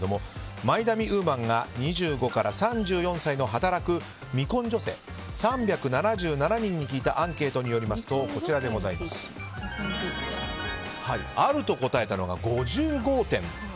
マイナビウーマンが２５から３４歳の働く未婚女性３７７人に聞いたアンケートによりますとあると答えたのが５５．４％。